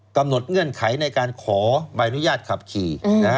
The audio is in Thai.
เงื่อนไขในการขอใบอนุญาตขับขี่